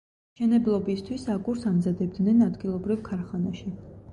მშენებლობისთვის აგურს ამზადებდნენ ადგილობრივ ქარხანაში.